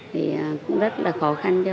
thì cũng rất là khó khăn